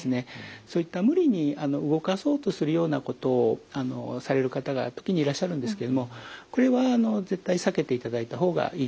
そういった無理に動かそうとするようなことをされる方が時にいらっしゃるんですけれどもこれは絶対避けていただいた方がいいと思います。